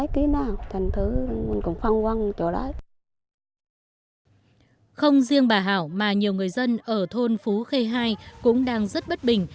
không riêng bà hảo mà nhiều người dân ở thôn phú khê hai cũng đang rất bất bình